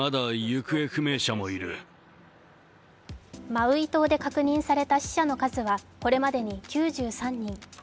マウイ島で確認された死者の数はこれまでに９３人。